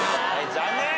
残念！